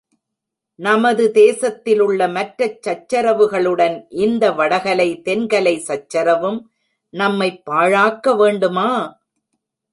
நமது தேசத்திலுள்ள மற்றச் சச்சரவுகளுடன், இந்த வடகலை, தென்கலை சச்சரவும் நம்மைப் பாழாக்க வேண்டுமா!